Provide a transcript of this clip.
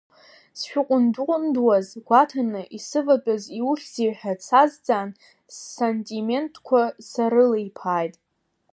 Сшыҟәындҟәындуаз гәаҭаны, исыватәаз иухьзеи ҳәа дсазҵаан, ссантиментқәа саарылиԥааит.